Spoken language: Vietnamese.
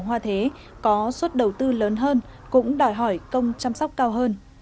hoa thế có suất đầu tư lớn hơn cũng đòi hỏi công chăm sóc cao hơn